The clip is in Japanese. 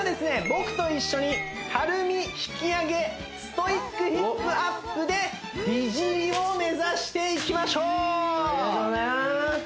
僕と一緒にたるみ引き上げストイックヒップアップで美尻を目指していきましょうありがとうございます